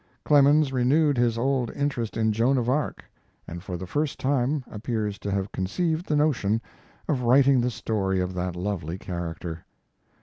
Clemens renewed his old interest in Joan of Arc, and for the first time appears to have conceived the notion of writing the story of that lovely character.